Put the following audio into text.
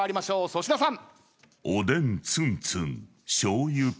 粗品さん。